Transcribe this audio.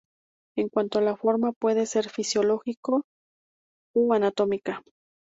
En cuanto a la forma puede ser fisiológica o anatómica.